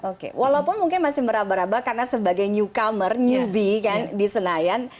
oke walaupun mungkin masih meraba raba karena sebagai newcomer newbie kan di senayan